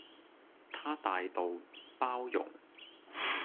她大道、包容